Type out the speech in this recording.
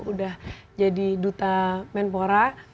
udah jadi duta menpora